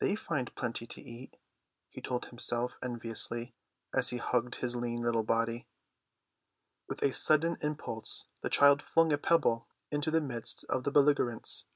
"They find plenty to eat," he told himself enviously, as he hugged his lean little body. With a sudden impulse the child flung a pebble into the midst of the belligerents.